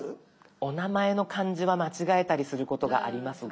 お名前の漢字は間違えたりすることがありますが。